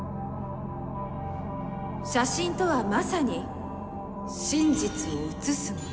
写真とはまさに真実を写すもの。